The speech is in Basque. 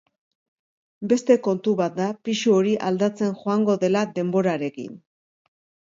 Beste kontu bat da pisu hori aldatzen joango dela denborarekin.